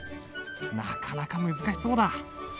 なかなか難しそうだ。